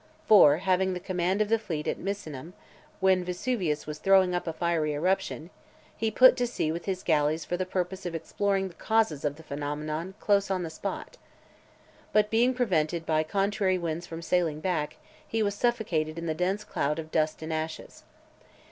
For, having the command of the fleet at Misenum, when Vesuvius was throwing up a fiery eruption, he put to sea with his gallies for the purpose of exploring the causes of the phenomenon close on the spot . But being prevented by contrary winds from sailing back, he was suffocated in the dense cloud of dust and ashes.